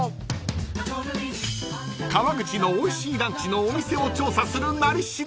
［川口のおいしいランチのお店を調査する「なり調」］